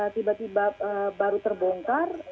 tiba tiba baru terbongkar